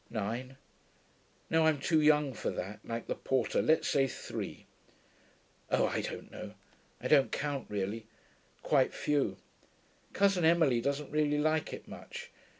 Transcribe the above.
'Nine. No, I'm too young for that, like the porter let's say three. Oh, I don't know I don't count really. Quite few. Cousin Emily doesn't really like it much.